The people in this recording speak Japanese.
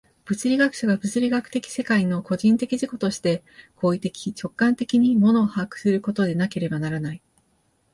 物理学者が物理学的世界の個人的自己として行為的直観的に物を把握することでなければならない。